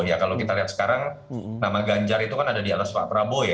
ya kalau kita lihat sekarang nama ganjar itu kan ada di atas pak prabowo ya